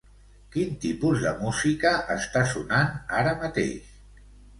Quin tipus de música està sonant ara mateix?